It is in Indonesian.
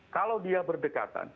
kalau dia berdekatan